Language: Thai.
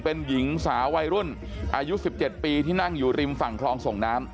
เป็นหญิงสาววัยรุ่นอายุ๑๗ปีที่นั่งอยู่ริมฝั่งคลองส่งน้ำ